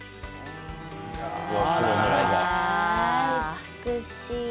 美しい。